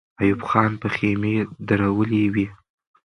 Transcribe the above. ایوب خان به خېمې درولې وې.